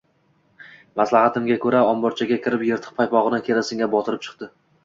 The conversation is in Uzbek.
Maslahatimga ko‘ra, omborchaga kirib, yirtiq paypog‘ini kerosinga botirib chiqdi